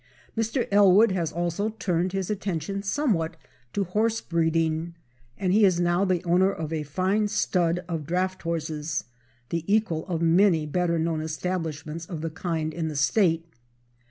Mr. Ellwood has also turned his attention somewhat to horse breeding, and he is now the owner of a fine stud of draft horses, the equal of many better known establishments of the kind in the State.